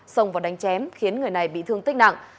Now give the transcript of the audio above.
có đánh chém khiến người này bị thương tích nặng